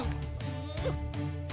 ・うん！